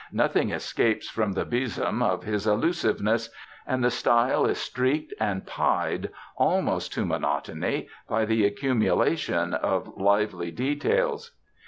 Nothing escapes from the besom of his allusiveness, and the style is streaked and pied, almost to monotony, by the accumulation of lively details.